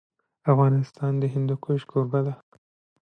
افغانستان د هندوکش کوربه دی.